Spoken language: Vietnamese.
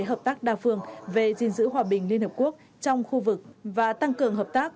hợp tác đa phương về gìn giữ hòa bình liên hợp quốc trong khu vực và tăng cường hợp tác